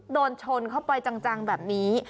โดนชนเข้าไปจังแบบนี้